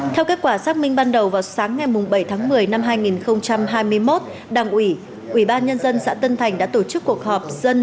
theo kết quả xác minh ban đầu vào sáng ngày bảy tháng một mươi năm hai nghìn hai mươi một đảng ủy ủy ban nhân dân xã tân thành đã tổ chức cuộc họp dân